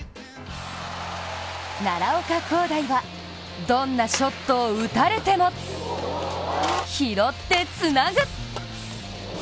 奈良岡功大は、どんなショットを打たれても拾ってつなぐ。